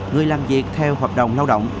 người làm việc theo hợp đồng lao động